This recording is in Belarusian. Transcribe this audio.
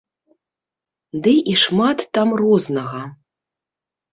Ды і шмат там рознага.